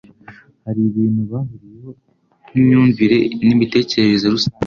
hari ibintu bahuriyeho nk'imyumvire n'imitekerereze rusange,